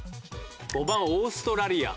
５番オーストラリア。